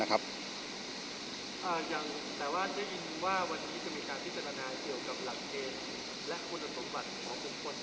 แต่ว่าจะยินว่าวันนี้จะมีการพิจารณาเกี่ยวกับหลักเกณฑ์และคุณสมบัติของบุคคลที่จะไปจำนวนกำแหน่งทางการเลย